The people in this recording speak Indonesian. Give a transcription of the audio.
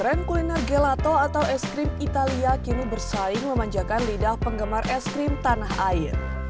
tren kuliner gelato atau es krim italia kini bersaing memanjakan lidah penggemar es krim tanah air